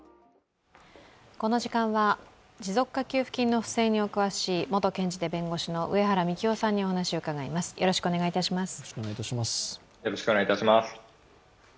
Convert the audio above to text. この時間は持続化給付金の不正にお詳しい元検事で弁護士の上原幹男さんにお話を伺います。